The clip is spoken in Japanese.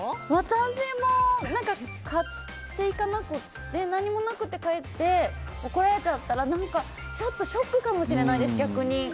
私も買って行かなくて何もなくて帰ったら怒られちゃったらちょっとショックかもしれないです、逆に。